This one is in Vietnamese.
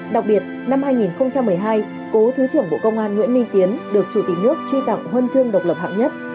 đặc biệt năm hai nghìn một mươi hai cố thứ trưởng bộ công an nguyễn minh tiến được chủ tịch nước truy tặng huân chương độc lập hạng nhất